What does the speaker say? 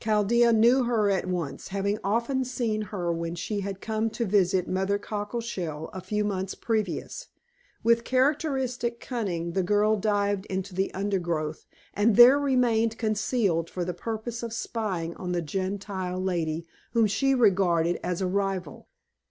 Chaldea knew her at once, having often seen her when she had come to visit Mother Cockleshell a few months previously. With characteristic cunning, the girl dived into the undergrowth, and there remained concealed for the purpose of spying on the Gentile lady whom she regarded as a rival.